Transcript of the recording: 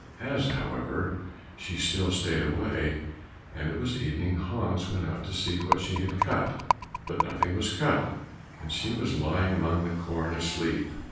As, however, she still stayed away, and it was evening, Hans went out to see what she had cut, but nothing was cut, and she was lying among the corn asleep.